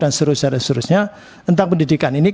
dan seterusnya tentang pendidikan ini